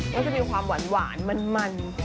ก็จะมีความหวานมัน